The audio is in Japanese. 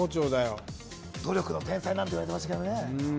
努力の天才なんていわれてましたけどね。